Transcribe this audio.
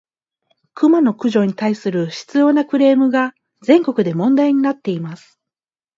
クマの駆除に対する執拗（しつよう）なクレームが、全国で問題になっています。